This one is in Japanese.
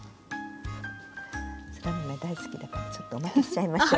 そら豆大好きだからちょっとおまけしちゃいましょう。